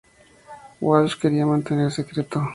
Walsh quería mantener secreto.